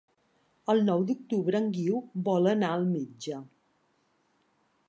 El nou d'octubre en Guiu vol anar al metge.